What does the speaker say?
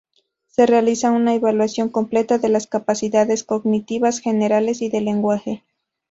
Se realiza una evaluación completa de las capacidades cognitivas generales y del lenguaje.